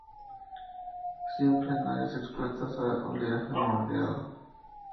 Siempre en áreas expuestas a oleaje moderado.